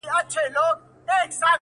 بیا خرڅ کړئ شاه شجاع یم پر پردیو